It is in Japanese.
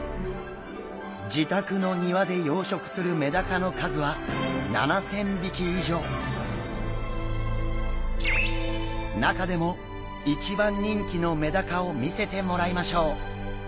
自宅の庭で養殖するメダカの数は中でも一番人気のメダカを見せてもらいましょう！